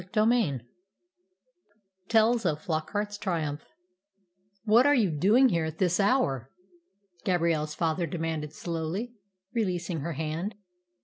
CHAPTER XX TELLS OF FLOCKART'S TRIUMPH "What are you doing here at this hour?" Gabrielle's father demanded slowly, releasing her hand.